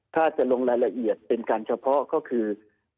ถ้าจะลงรายละเอียดเป็นการเฉพาะก็คือ